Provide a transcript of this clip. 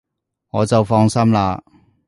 我就放心喇